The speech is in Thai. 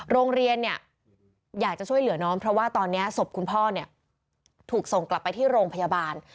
โรงเรียนเนี่ยอยากจะช่วยเหลือน้องเพราะว่าตอนนี้ศพคุณพ่อเนี่ยถูกส่งกลับไปที่โรงพยาบาล